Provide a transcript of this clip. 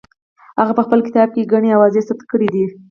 هغه په خپل کتاب کې ګڼې اوازې ثبت کړې دي.